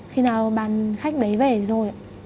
khi nào bàn khách đấy về rồi